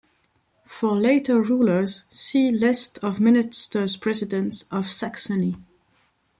For later rulers, see List of Ministers-President of Saxony.